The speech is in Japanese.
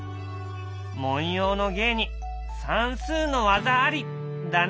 文様の芸に算数の技あり！だね。